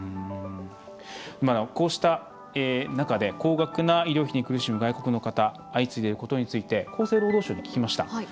こうした中で高額な医療費に苦しむ外国の方相次いでいることについて厚生労働省に聞きました。